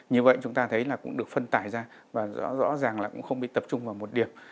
như vậy chúng ta thấy là cũng được phân tải ra và rõ ràng là cũng không bị tập trung vào một điểm